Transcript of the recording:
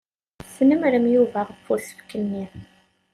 Tesnemmrem Yuba ɣef usefk-nni.